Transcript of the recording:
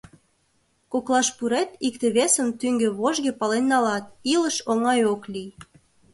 Коклаш пурет, икте-весым тӱҥге-вожге пален налат — илыш оҥай ок лий.